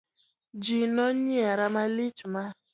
Ji nonyiera malich ma.